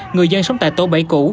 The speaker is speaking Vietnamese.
người dân sống tại tổ bảy củ